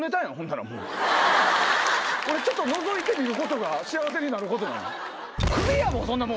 俺ちょっとのぞいてみることが幸せになることなの？